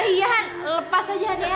iya han lepas aja han